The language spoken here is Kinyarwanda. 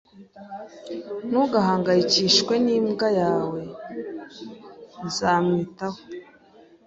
Ntugahangayikishijwe n'imbwa yawe. Nzamwitaho.